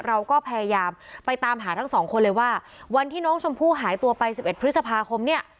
เราก็พยายามไปตามหาทั้งสองคนเลยว่าวันที่น้องชมพู่หายตัวไป๑๑พฤษภาคมเนี่ย